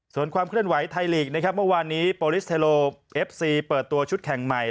ส่วนความเคลื่อนไหวไทยลีกนะครับเมื่อวานนี้โปรลิสเทโลเอฟซีเปิดตัวชุดแข่งใหม่